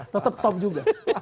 tetap top juga